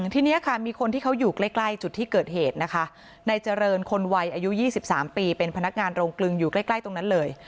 ทีนี้ค่ะมีคนที่เขาอยู่ใกล้จุดที่เกิดเหตุนะคะในเจริญคนวัยอายุ๒๓ปีเป็นพนักงานโรงกลึงอยู่ใกล้ตรงนั้นเลย